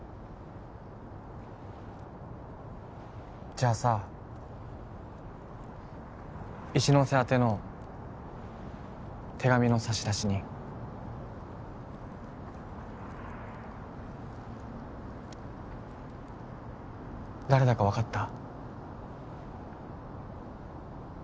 じゃあさ一ノ瀬宛ての手紙の差出人誰だか分かった？